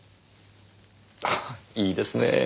ああいいですねえ。